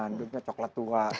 handuknya coklat tua